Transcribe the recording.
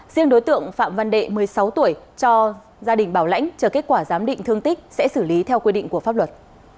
riêng đối tượng phạm văn đệ một mươi sáu tuổi cho gia đình bảo lãnh chờ kết quả giám định thương tích sẽ xử lý theo quy định của pháp luật